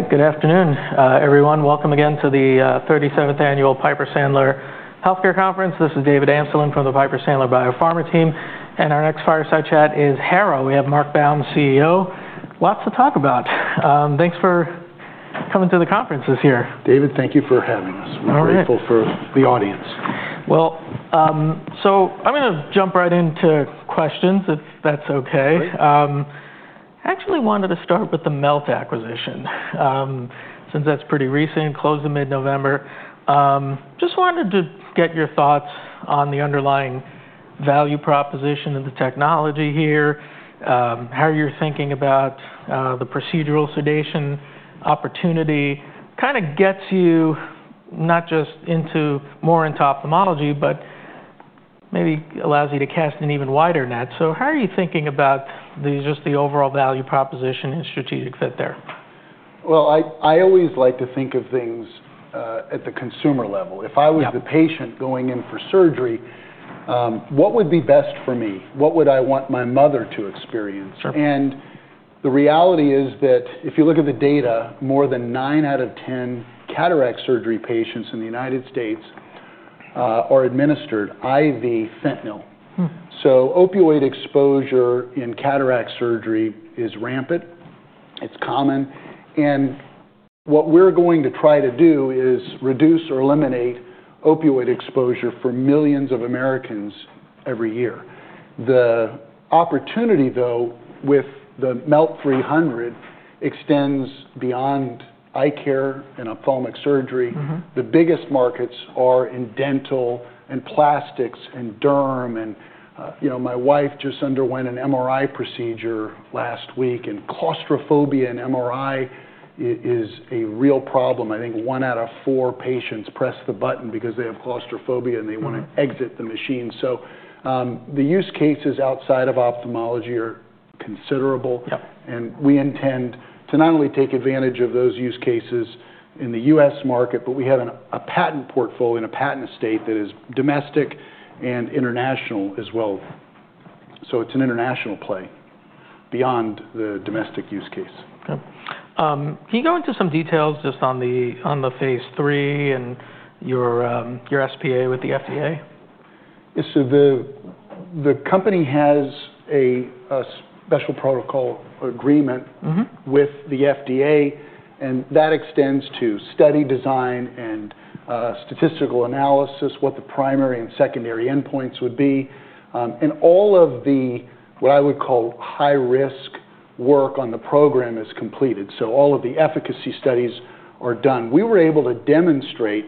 All right, good afternoon, everyone. Welcome again to the 37th Annual Piper Sandler Healthcare Conference. This is David Amsellem from the Piper Sandler Biopharma team. And our next fireside chat is Harrow. We have Mark Baum, CEO. Lots to talk about. Thanks for coming to the conference this year. David, thank you for having us. We're grateful for the audience. I'm going to jump right into questions, if that's OK. Great. Actually, I wanted to start with the Melt acquisition, since that's pretty recent, closed in mid-November. Just wanted to get your thoughts on the underlying value proposition of the technology here, how you're thinking about the procedural sedation opportunity. Kind of gets you not just into more anesthesiology, but maybe allows you to cast an even wider net. So how are you thinking about just the overall value proposition and strategic fit there? I always like to think of things at the consumer level. If I was the patient going in for surgery, what would be best for me? What would I want my mother to experience? And the reality is that if you look at the data, more than 9 out of 10 cataract surgery patients in the United States are administered IV fentanyl. So opioid exposure in cataract surgery is rampant. It's common. And what we're going to try to do is reduce or eliminate opioid exposure for millions of Americans every year. The opportunity, though, with the MELT-300 extends beyond eye care and ophthalmic surgery. The biggest markets are in dental and plastics and derm. And my wife just underwent an MRI procedure last week. And claustrophobia in MRI is a real problem. I think one out of four patients press the button because they have claustrophobia and they want to exit the machine, so the use cases outside of ophthalmology are considerable, and we intend to not only take advantage of those use cases in the U.S. market, but we have a patent portfolio and a patent estate that is domestic and international as well, so it's an international play beyond the domestic use case. Can you go into some details just on the phase III and your SPA with the FDA? So the company has a Special Protocol Agreement with the FDA. And that extends to study design and statistical analysis, what the primary and secondary endpoints would be. And all of the what I would call high-risk work on the program is completed. So all of the efficacy studies are done. We were able to demonstrate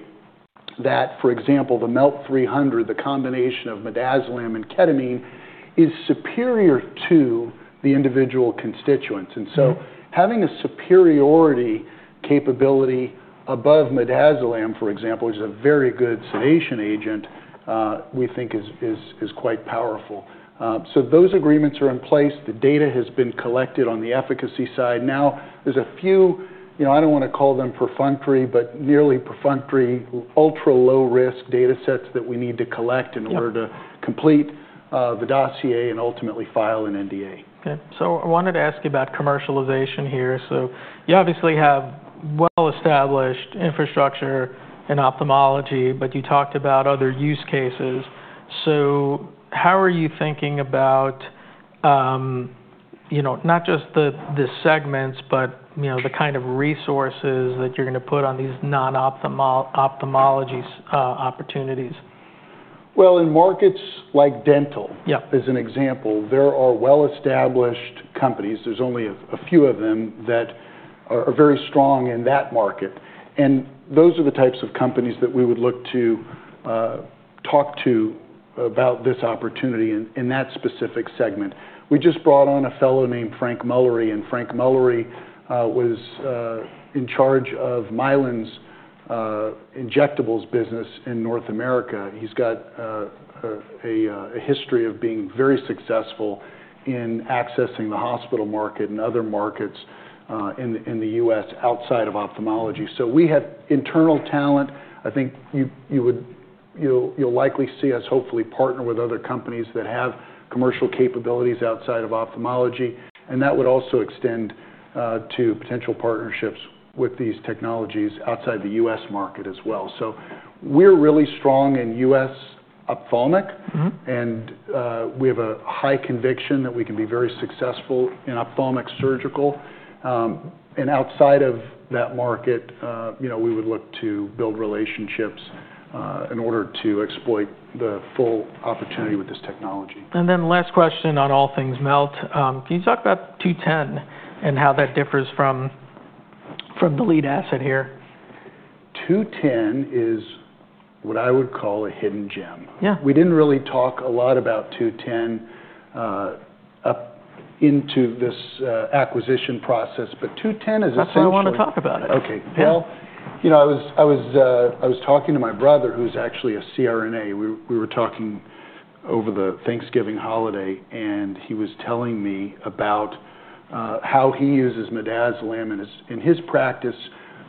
that, for example, the MELT-300, the combination of midazolam and ketamine, is superior to the individual constituents. And so having a superiority capability above midazolam, for example, which is a very good sedation agent, we think is quite powerful. So those agreements are in place. The data has been collected on the efficacy side. Now, there's a few, you know, I don't want to call them perfunctory, but nearly perfunctory, ultra-low-risk data sets that we need to collect in order to complete the dossier and ultimately file an NDA. OK. So I wanted to ask you about commercialization here. So you obviously have well-established infrastructure in ophthalmology, but you talked about other use cases. So how are you thinking about not just the segments, but the kind of resources that you're going to put on these non-ophthalmology opportunities? In markets like dental, as an example, there are well-established companies. There's only a few of them that are very strong in that market. And those are the types of companies that we would look to talk to about this opportunity in that specific segment. We just brought on a fellow named Frank Mullery. And Frank Mullery was in charge of Mylan's injectables business in North America. He's got a history of being very successful in accessing the hospital market and other markets in the U.S. outside of ophthalmology. So we have internal talent. I think you'll likely see us hopefully partner with other companies that have commercial capabilities outside of ophthalmology. And that would also extend to potential partnerships with these technologies outside the U.S. market as well. So we're really strong in U.S. ophthalmic. We have a high conviction that we can be very successful in ophthalmic surgical. Outside of that market, we would look to build relationships in order to exploit the full opportunity with this technology. And then the last question on all things MELT. Can you talk about 210 and how that differs from the lead asset here? MELT-210 is what I would call a hidden gem. We didn't really talk a lot about MELT-210 up until this acquisition process. But MELT-210 is essentially. That's one I want to talk about it. OK. Well, I was talking to my brother, who's actually a CRNA. We were talking over the Thanksgiving holiday. And he was telling me about how he uses midazolam in his practice.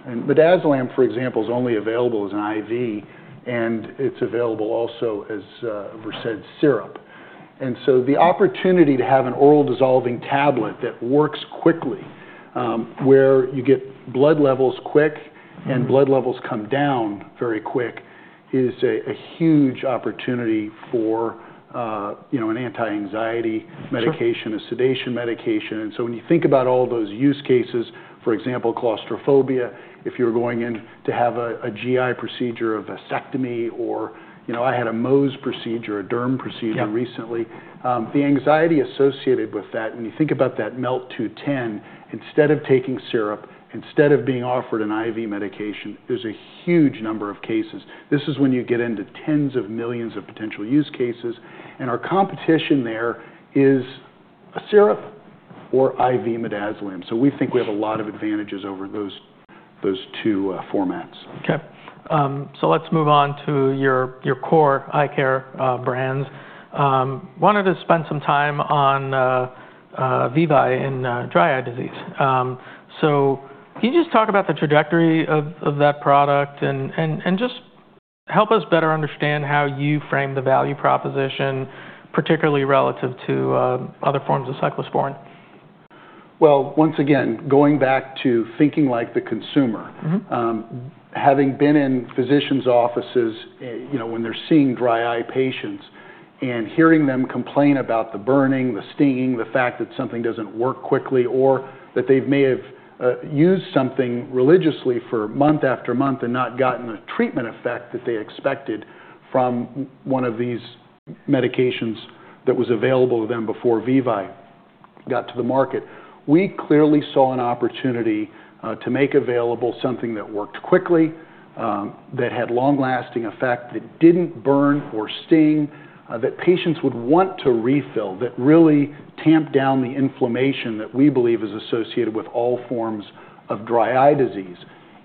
And midazolam, for example, is only available as an IV. And it's available also as a Versed syrup. And so the opportunity to have an oral dissolving tablet that works quickly, where you get blood levels quick and blood levels come down very quick, is a huge opportunity for an anti-anxiety medication, a sedation medication. And so when you think about all those use cases, for example, claustrophobia, if you're going in to have a GI procedure or vasectomy, or I had a Mohs procedure, a derm procedure recently, the anxiety associated with that, when you think about that MELT-210, instead of taking syrup, instead of being offered an IV medication, there's a huge number of cases. This is when you get into tens of millions of potential use cases. And our competition there is a syrup or IV midazolam. So we think we have a lot of advantages over those two formats. OK. So let's move on to your core eye care brands. Wanted to spend some time on VEVYE in dry eye disease. So can you just talk about the trajectory of that product and just help us better understand how you frame the value proposition, particularly relative to other forms of cyclosporine? Once again, going back to thinking like the consumer, having been in physicians' offices when they're seeing dry eye patients and hearing them complain about the burning, the stinging, the fact that something doesn't work quickly, or that they may have used something religiously for month after month and not gotten the treatment effect that they expected from one of these medications that was available to them before VEVYE got to the market. We clearly saw an opportunity to make available something that worked quickly, that had long-lasting effect, that didn't burn or sting, that patients would want to refill, that really tamped down the inflammation that we believe is associated with all forms of dry eye disease.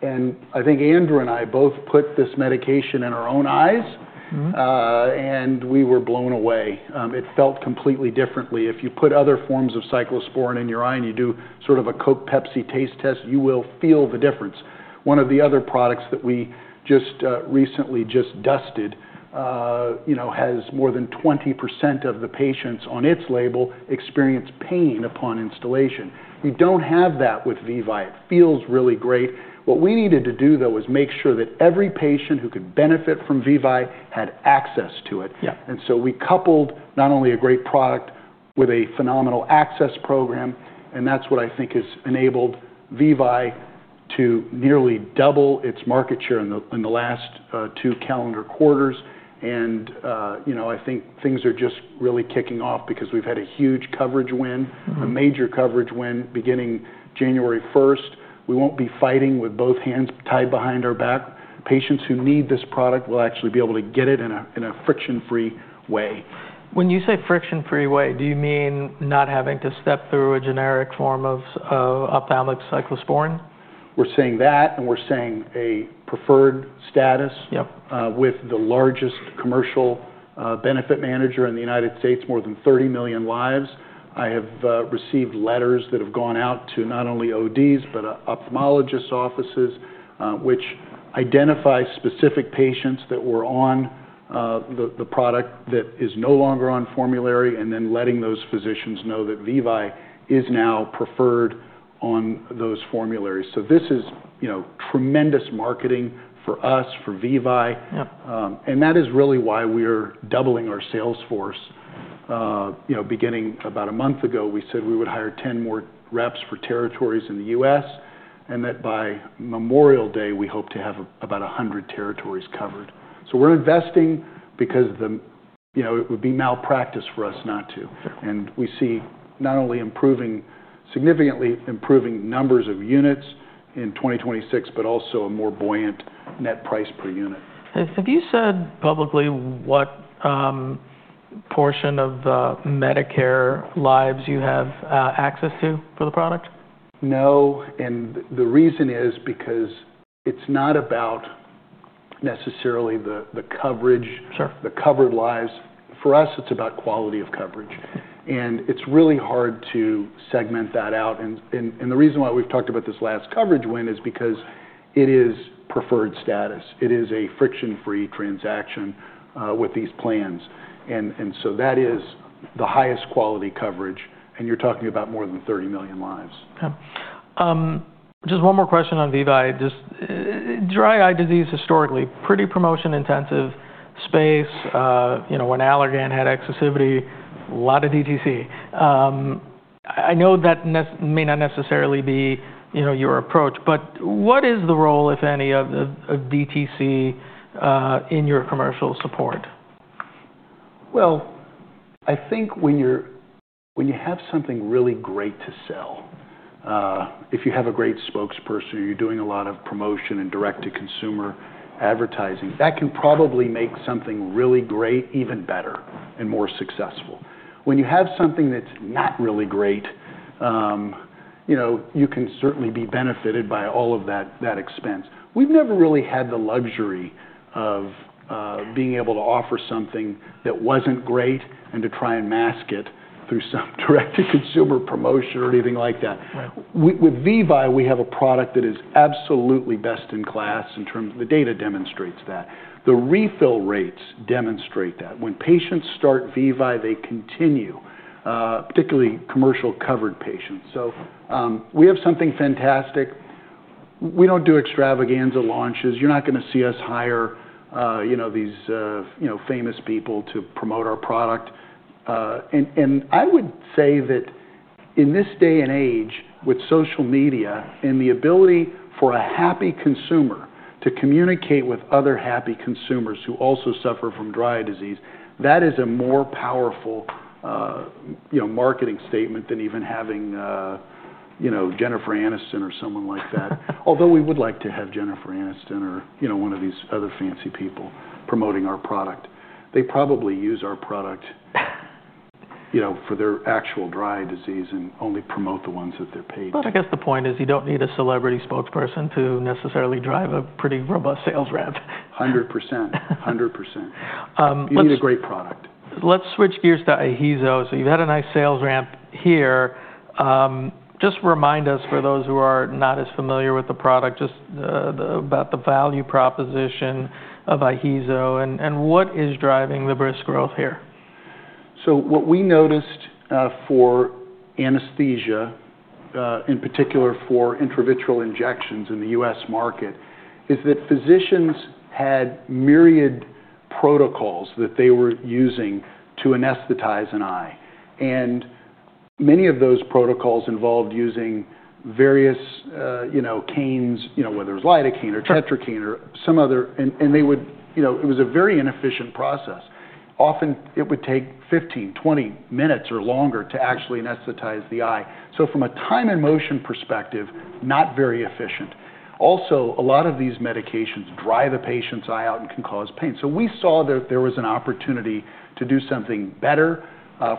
And I think Andrew and I both put this medication in our own eyes. And we were blown away. It felt completely differently. If you put other forms of cyclosporine in your eye and you do sort of a Coke Pepsi taste test, you will feel the difference. One of the other products that we just recently just dusted has more than 20% of the patients on its label experience pain upon instillation. You don't have that with VEVYE. It feels really great. What we needed to do, though, was make sure that every patient who could benefit from VEVYE had access to it. And so we coupled not only a great product with a phenomenal access program. And that's what I think has enabled VEVYE to nearly double its market share in the last two calendar quarters. And I think things are just really kicking off because we've had a huge coverage win, a major coverage win beginning January 1st. We won't be fighting with both hands tied behind our back. Patients who need this product will actually be able to get it in a friction-free way. When you say friction-free way, do you mean not having to step through a generic form of ophthalmic cyclosporine? We're saying that. And we're saying a preferred status with the largest pharmacy benefit manager in the United States, more than 30 million lives. I have received letters that have gone out to not only ODs, but ophthalmologists' offices, which identify specific patients that were on the product that is no longer on formulary and then letting those physicians know that VEVYE is now preferred on those formularies. So this is tremendous marketing for us, for VEVYE. And that is really why we are doubling our sales force. Beginning about a month ago, we said we would hire 10 more reps for territories in the U.S. And that by Memorial Day, we hope to have about 100 territories covered. So we're investing because it would be malpractice for us not to. We see not only significantly improving numbers of units in 2026, but also a more buoyant net price per unit. Have you said publicly what portion of Medicare lives you have access to for the product? No. And the reason is because it's not about necessarily the coverage, the covered lives. For us, it's about quality of coverage. And it's really hard to segment that out. And the reason why we've talked about this last coverage win is because it is preferred status. It is a friction-free transaction with these plans. And so that is the highest quality coverage. And you're talking about more than 30 million lives. Just one more question on VEVYE. Just dry eye disease historically, pretty promotion-intensive space. When Allergan had Restasis, a lot of DTC. I know that may not necessarily be your approach. But what is the role, if any, of DTC in your commercial support? I think when you have something really great to sell, if you have a great spokesperson, you're doing a lot of promotion and direct-to-consumer advertising, that can probably make something really great even better and more successful. When you have something that's not really great, you can certainly be benefited by all of that expense. We've never really had the luxury of being able to offer something that wasn't great and to try and mask it through some direct-to-consumer promotion or anything like that. With VEVYE, we have a product that is absolutely best in class in terms of the data demonstrates that. The refill rates demonstrate that. When patients start VEVYE, they continue, particularly commercial covered patients. So we have something fantastic. We don't do extravaganza launches. You're not going to see us hire these famous people to promote our product. I would say that in this day and age with social media and the ability for a happy consumer to communicate with other happy consumers who also suffer from dry eye disease, that is a more powerful marketing statement than even having Jennifer Aniston or someone like that. Although we would like to have Jennifer Aniston or one of these other fancy people promoting our product. They probably use our product for their actual dry eye disease and only promote the ones that they're paid for. But I guess the point is you don't need a celebrity spokesperson to necessarily drive a pretty robust sales ramp. 100%. 100%. You need a great product. Let's switch gears to IHEEZO. So you've had a nice sales ramp here. Just remind us, for those who are not as familiar with the product, just about the value proposition of IHEEZO. And what is driving the brisk growth here? So what we noticed for anesthesia, in particular for intravitreal injections in the U.S. market, is that physicians had myriad protocols that they were using to anesthetize an eye. And many of those protocols involved using various caines, whether it was lidocaine or tetracaine or some other. And it was a very inefficient process. Often it would take 15-20 minutes or longer to actually anesthetize the eye. So from a time and motion perspective, not very efficient. Also, a lot of these medications dry the patient's eye out and can cause pain. So we saw that there was an opportunity to do something better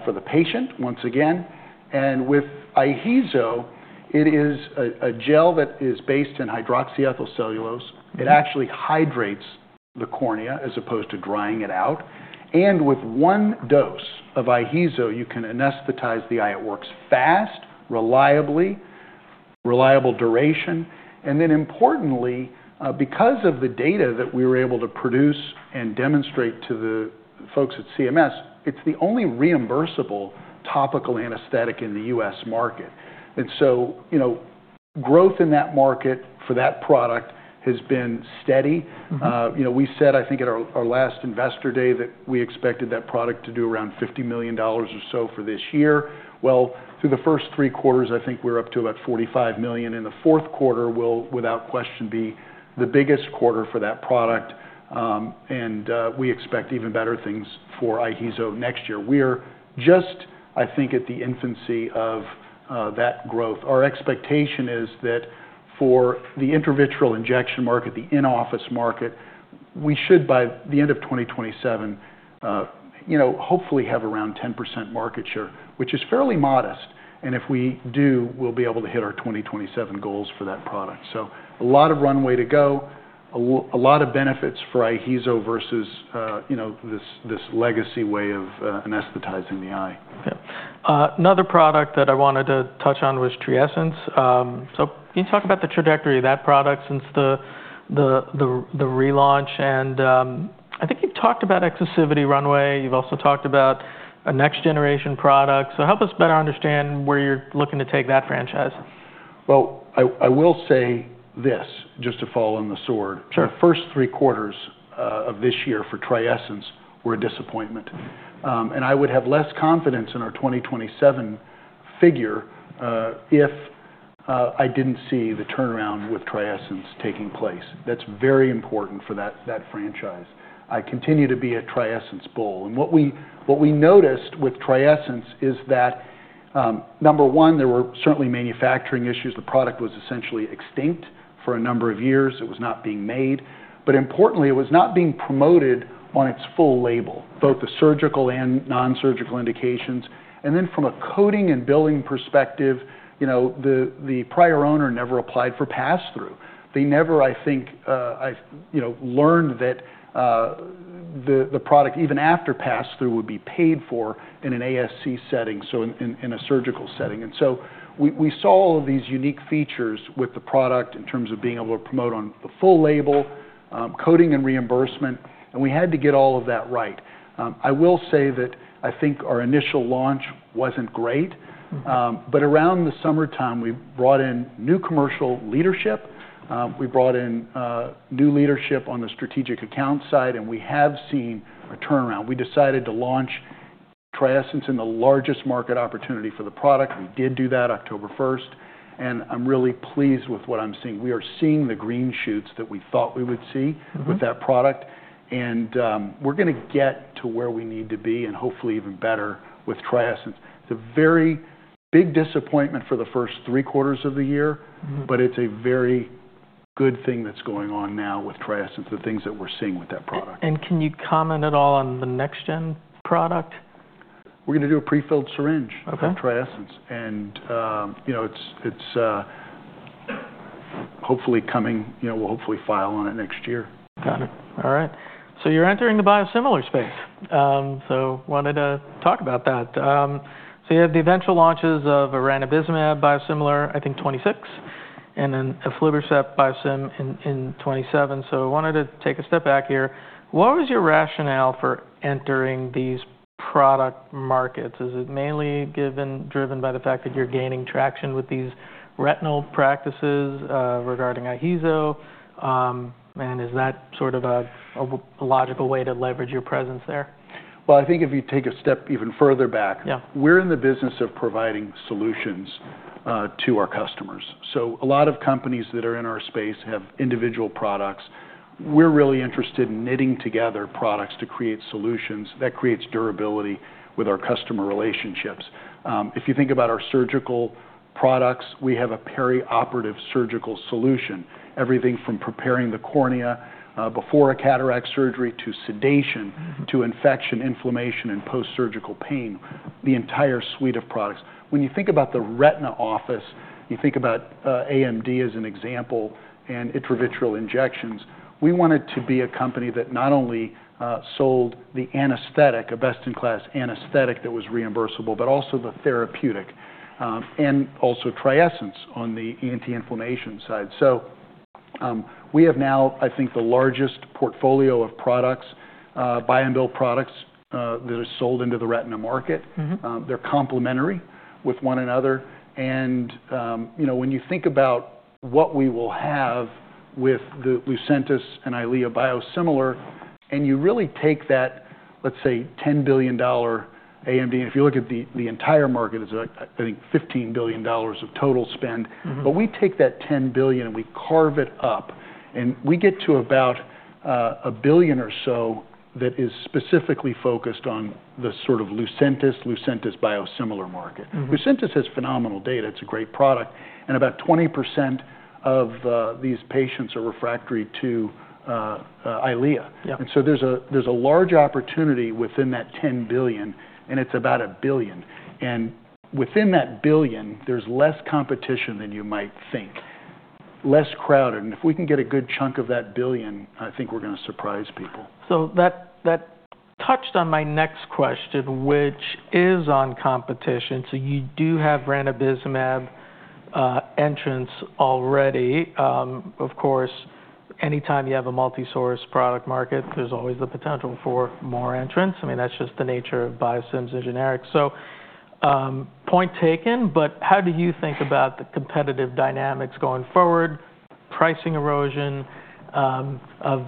for the patient, once again. And with IHEEZO, it is a gel that is based in hydroxyethyl cellulose. It actually hydrates the cornea as opposed to drying it out. And with one dose of IHEEZO, you can anesthetize the eye. It works fast, reliably, reliable duration. And then importantly, because of the data that we were able to produce and demonstrate to the folks at CMS, it's the only reimbursable topical anesthetic in the U.S. market. And so growth in that market for that product has been steady. We said, I think, at our last investor day that we expected that product to do around $50 million or so for this year. Well, through the first three quarters, I think we're up to about $45 million. And the fourth quarter will, without question, be the biggest quarter for that product. And we expect even better things for IHEEZO next year. We're just, I think, at the infancy of that growth. Our expectation is that for the intravitreal injection market, the in-office market, we should by the end of 2027 hopefully have around 10% market share, which is fairly modest. If we do, we'll be able to hit our 2027 goals for that product. A lot of runway to go, a lot of benefits for IHEEZO versus this legacy way of anesthetizing the eye. Another product that I wanted to touch on was Triesence. So can you talk about the trajectory of that product since the relaunch? And I think you've talked about exclusivity runway. You've also talked about a next-generation product. So help us better understand where you're looking to take that franchise? I will say this, just to fall on the sword. The first three quarters of this year for Triesence were a disappointment. And I would have less confidence in our 2027 figure if I didn't see the turnaround with Triesence taking place. That's very important for that franchise. I continue to be a Triesence bull. And what we noticed with Triesence is that, number one, there were certainly manufacturing issues. The product was essentially extinct for a number of years. It was not being made. But importantly, it was not being promoted on its full label, both the surgical and non-surgical indications. And then from a coding and billing perspective, the prior owner never applied for pass-through. They never, I think, learned that the product, even after pass-through, would be paid for in an ASC setting, so in a surgical setting. And so we saw all of these unique features with the product in terms of being able to promote on the full label, coding and reimbursement. And we had to get all of that right. I will say that I think our initial launch wasn't great. But around the summertime, we brought in new commercial leadership. We brought in new leadership on the strategic account side. And we have seen a turnaround. We decided to launch Triesence in the largest market opportunity for the product. We did do that October 1st. And I'm really pleased with what I'm seeing. We are seeing the green shoots that we thought we would see with that product. And we're going to get to where we need to be and hopefully even better with Triesence. It's a very big disappointment for the first three quarters of the year. But it's a very good thing that's going on now with Triesence, the things that we're seeing with that product. Can you comment at all on the next-gen product? We're going to do a prefilled syringe of Triesence. And it's hopefully coming. We'll hopefully file on it next year. Got it. All right. So you're entering the biosimilar space. So wanted to talk about that. So you had the eventual launches of a ranibizumab biosimilar, I think 2026, and then aflibercept biosimilar in 2027. So I wanted to take a step back here. What was your rationale for entering these product markets? Is it mainly driven by the fact that you're gaining traction with these retinal practices regarding IHEEZO? And is that sort of a logical way to leverage your presence there? I think if you take a step even further back, we're in the business of providing solutions to our customers. So a lot of companies that are in our space have individual products. We're really interested in knitting together products to create solutions that create durability with our customer relationships. If you think about our surgical products, we have a perioperative surgical solution, everything from preparing the cornea before a cataract surgery to sedation to infection, inflammation, and post-surgical pain, the entire suite of products. When you think about the retina office, you think about AMD as an example and intravitreal injections. We wanted to be a company that not only sold the anesthetic, a best-in-class anesthetic that was reimbursable, but also the therapeutic and also Triesence on the anti-inflammation side. So we have now, I think, the largest portfolio of buy-and-bill products that are sold into the retina market. They're complementary with one another. And when you think about what we will have with the Lucentis and Eylea biosimilar, and you really take that, let's say, $10 billion AMD, and if you look at the entire market, it's like, I think, $15 billion of total spend. But we take that $10 billion and we carve it up. And we get to about a billion or so that is specifically focused on the sort of Lucentis, Lucentis biosimilar market. Lucentis has phenomenal data. It's a great product. And about 20% of these patients are refractory to Eylea. And so there's a large opportunity within that $10 billion. And it's about a billion. And within that billion, there's less competition than you might think, less crowded. If we can get a good chunk of that billion, I think we're going to surprise people. So that touched on my next question, which is on competition. So you do have ranibizumab entrants already. Of course, anytime you have a multi-source product market, there's always the potential for more entrants. I mean, that's just the nature of biosims and generics. So point taken. But how do you think about the competitive dynamics going forward, pricing erosion of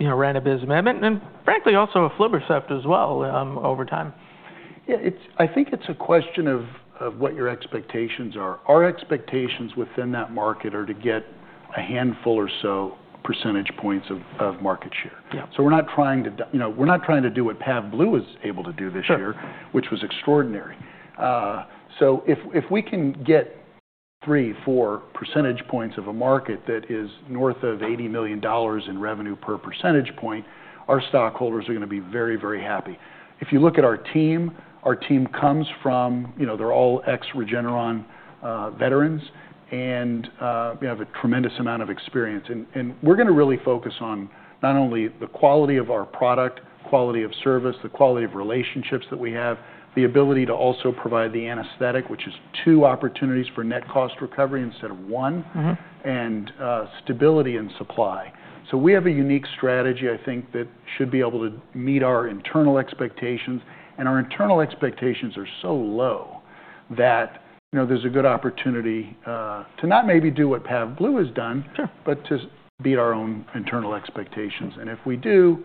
ranibizumab, and frankly, also aflibercept as well over time? Yeah. I think it's a question of what your expectations are. Our expectations within that market are to get a handful or so percentage points of market share. So we're not trying to do what Pavblu was able to do this year, which was extraordinary. So if we can get three, four percentage points of a market that is north of $80 million in revenue per percentage point, our stockholders are going to be very, very happy. If you look at our team, our team comes from they're all ex-Regeneron veterans and have a tremendous amount of experience. And we're going to really focus on not only the quality of our product, quality of service, the quality of relationships that we have, the ability to also provide the anesthetic, which is two opportunities for net cost recovery instead of one, and stability in supply. So we have a unique strategy, I think, that should be able to meet our internal expectations. And our internal expectations are so low that there's a good opportunity to not maybe do what Pavblu has done, but to beat our own internal expectations. And if we do,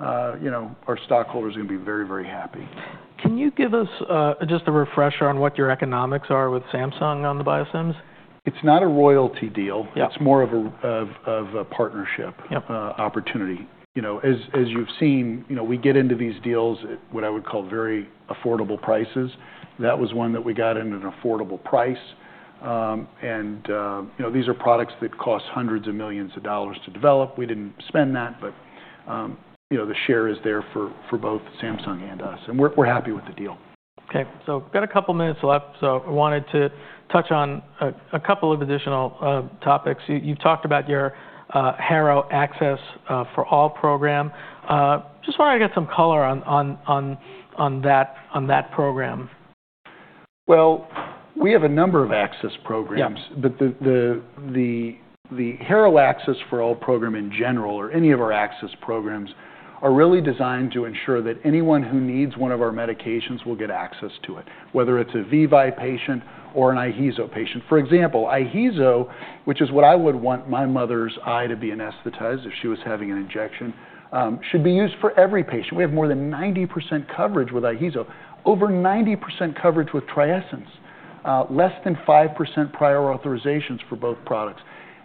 our stockholders are going to be very, very happy. Can you give us just a refresher on what your economics are with Samsung on the biosims? It's not a royalty deal. It's more of a partnership opportunity. As you've seen, we get into these deals at what I would call very affordable prices. That was one that we got at an affordable price. And these are products that cost hundreds of millions of dollars to develop. We didn't spend that. But the share is there for both Samsung and us. And we're happy with the deal. Okay. So we've got a couple of minutes left. So I wanted to touch on a couple of additional topics. You've talked about your Harrow Access for All program. Just wanted to get some color on that program. We have a number of access programs. The Harrow Access for All program in general, or any of our access programs, are really designed to ensure that anyone who needs one of our medications will get access to it, whether it's a VEVYE patient or an IHEEZO patient. For example, IHEEZO, which is what I would want my mother's eye to be anesthetized if she was having an injection, should be used for every patient. We have more than 90% coverage with IHEEZO, over 90% coverage with Triesence, less than 5% prior authorizations for both products.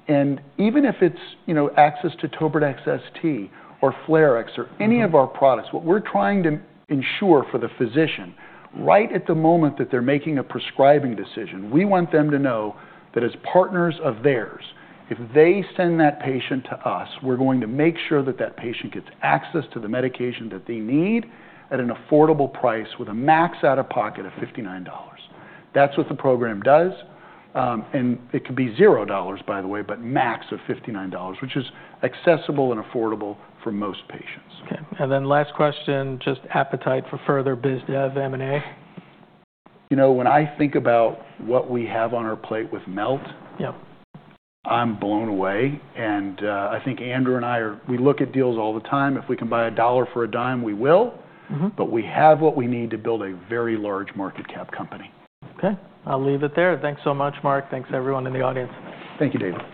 Even if it's access to TobraDex ST or Flarex or any of our products, what we're trying to ensure for the physician right at the moment that they're making a prescribing decision, we want them to know that as partners of theirs, if they send that patient to us, we're going to make sure that that patient gets access to the medication that they need at an affordable price with a max out-of-pocket of $59. That's what the program does. It could be $0, by the way, but max of $59, which is accessible and affordable for most patients. Okay. And then last question, just appetite for further biz dev M&A? You know, when I think about what we have on our plate with Melt, I'm blown away, and I think Andrew and I are, we look at deals all the time. If we can buy a dollar for a dime, we will, but we have what we need to build a very large market cap company. Okay. I'll leave it there. Thanks so much, Mark. Thanks everyone in the audience. Thank you, David.